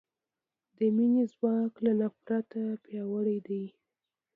د مینې ځواک له نفرت پیاوړی دی.